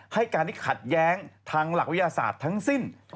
ให้การที่ขัดแย้งทางหลักวิทยาศาสตร์ทั้งสิ้น